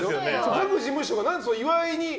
各事務所は何で岩井に。